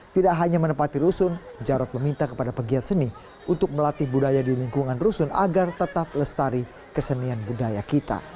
tidak hanya menempati rusun jarod meminta kepada pegiat seni untuk melatih budaya di lingkungan rusun agar tetap lestari kesenian budaya kita